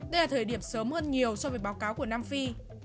đây là thời điểm sớm hơn nhiều so với báo cáo của nam phi